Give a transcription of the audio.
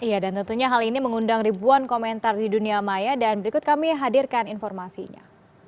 iya dan tentunya hal ini mengundang ribuan komentar di dunia maya dan berikut kami hadirkan informasinya